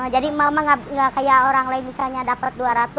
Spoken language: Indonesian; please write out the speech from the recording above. jadi emak emak enggak kayak orang lain misalnya dapat dua ratus